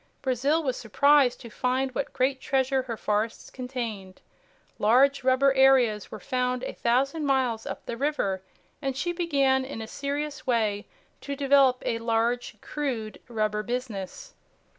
Brazil was surprised to find what great treasure her forests contained. Large rubber areas were found a thousand miles up the river and she began in a serious way to develop a large crude rubber business.